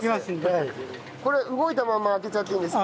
これ動いたまま開けちゃっていいんですか？